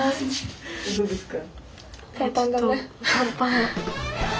どうですか？